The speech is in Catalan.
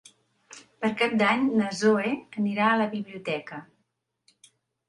Per Cap d'Any na Zoè anirà a la biblioteca.